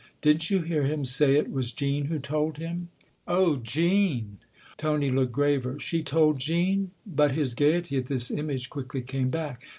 " Didn't you hear him say it was Jean who told him ?"" Oh, Jean ! "Tony looked graver. " She told Jean ?" But his gaiety, at this image, quickly came back.